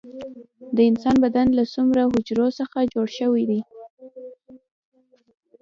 د انسان بدن له څومره حجرو څخه جوړ شوی دی